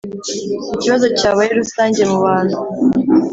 ikibazo cyabaye rusange mubantu